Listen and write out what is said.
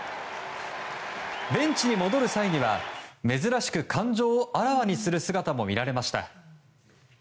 ベンチに戻る際には珍しく感情をあらわにする姿も見られました。